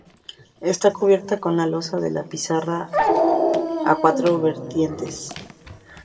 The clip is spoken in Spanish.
Está cubierta con losa de pizarra a cuatro vertientes.